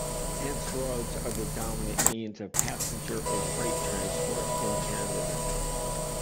Hence roads are the dominant means of passenger and freight transport in Canada.